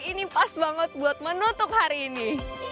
ini pas banget buat menutup hari ini